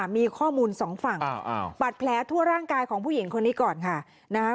มีข้อมูลสองฝั่งบาดแผลทั่วร่างกายของผู้หญิงคนนี้ก่อนค่ะนะคะ